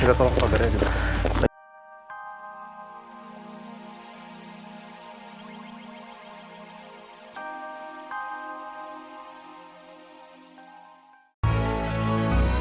kita tolong kabarnya juga